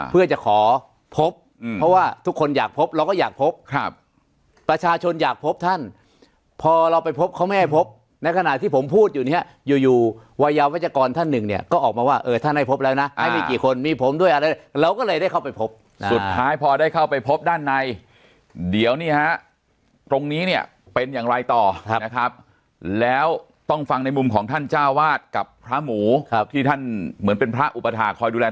เพราะว่าทุกคนอยากพบเราก็อยากพบครับประชาชนอยากพบท่านพอเราไปพบเขาไม่ให้พบในขณะที่ผมพูดอยู่เนี่ยอยู่วัยวัชกรท่านหนึ่งเนี่ยก็ออกมาว่าเออท่านให้พบแล้วนะให้มีกี่คนมีผมด้วยอะไรเราก็เลยได้เข้าไปพบสุดท้ายพอได้เข้าไปพบด้านในเดี๋ยวเนี่ยตรงนี้เนี่ยเป็นอย่างไรต่อครับแล้วต้องฟังในมุมของท่านจ้าวาสกับพระ